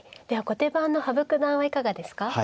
では後手番の羽生九段はいかがですか。